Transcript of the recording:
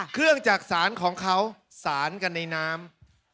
เครื่องจักษานของเขาศาลกันในน้ำ